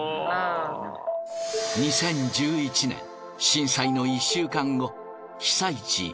２０１１年震災の１週間後被災地